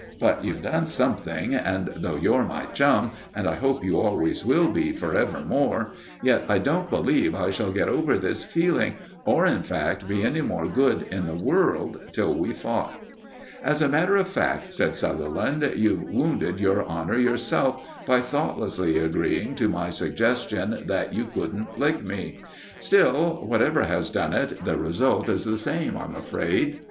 But you've done something, and though you're my chum and I hope you always will be for evermore, yet I don't believe I shall get over this feeling, or, in fact, be any more good in the world till we've fought." "As a matter of fact," said Sutherland, "you've wounded your honour yourself, by thoughtlessly agreeing to my suggestion that you couldn't lick me. Still, whatever has done it, the result is the same, I'm afraid."